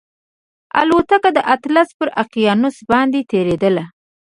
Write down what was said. الوتکه د اطلس پر اقیانوس باندې تېرېدله